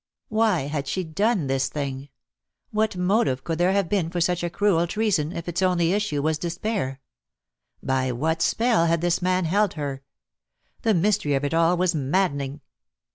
Why had she done this thing? What motive could there have been for such cruel treason, if its only issue was despair? By what spell had this man held her? The mystery of it all was maddening.